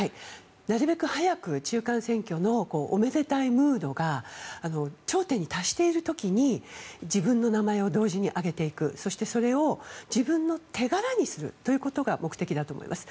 なるべく早く中間選挙のおめでたいムードが頂点に達している時に自分の名前を同時に上げていくそしてそれを自分の手柄にすることが目的だと思います。